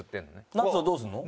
ナッツはどうすんの？